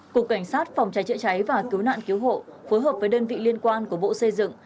cục cảnh sát phòng cháy chữa cháy và cứu nạn cứu hộ phối hợp với đơn vị liên quan của bộ xây dựng